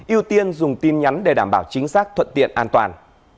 ưu tiên dùng tin nhắn để đảm bảo chính xác thuận tiện an toàn